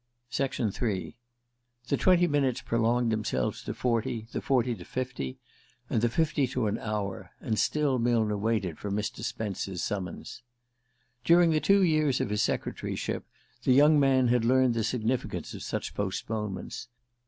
III THE twenty minutes prolonged themselves to forty, the forty to fifty, and the fifty to an hour; and still Millner waited for Mr. Spence's summons. During the two years of his secretaryship the young man had learned the significance of such postponements.